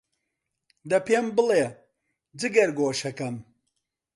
دە پێم بڵێ، جگەرگۆشەم،